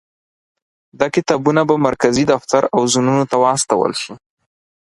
دا کتابونه به مرکزي دفتر او زونونو ته واستول شي.